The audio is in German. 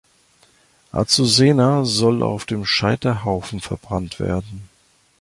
Azucena soll auf dem Scheiterhaufen verbrannt werden.